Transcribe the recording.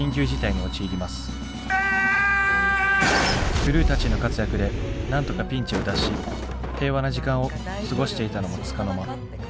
クルーたちの活躍でなんとかピンチを脱し平和な時間を過ごしていたのもつかの間。